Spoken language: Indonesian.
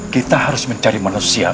kita harus mencari manusia